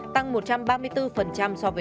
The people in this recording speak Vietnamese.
tăng một trăm ba mươi bốn so với